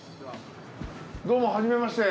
どうもはじめまして。